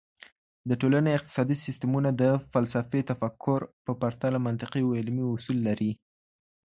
د ټولني اقتصادي سیسټمونه د فلسفي تفکر په پرتله منطقي او علمي اصول لري.